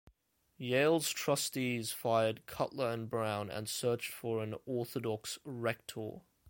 Yale's trustees fired Cutler and Brown, and searched for an orthodox Rector.